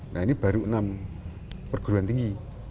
nah ini baru enam perguruan tinggi